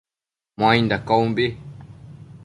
Muainda caumbi